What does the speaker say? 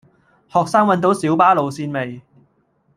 學生搵到小巴路線未